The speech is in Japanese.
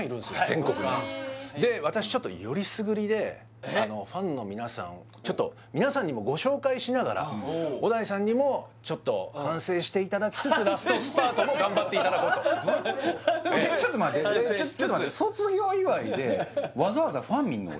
全国にで私ちょっとよりすぐりでファンのみなさんをちょっとみなさんにもご紹介しながら小田井さんにもちょっと反省していただきつつラストスパートも頑張っていただこうとちょっと待って卒業祝いでわざわざファン見るの？